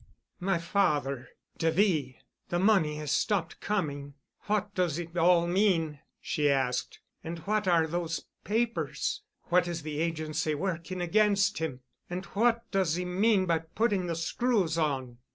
"My father—de V—'The money has stopped coming'—What does it all mean?" she asked. "And what are those papers? What is the agency working against him? And what does he mean by putting the screws on?"